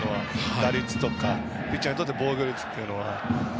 打率とかピッチャーにとっての防御率は。